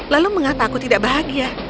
lalu mengapa aku tidak bahagia